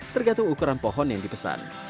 tergantung ukuran pohon yang dipesan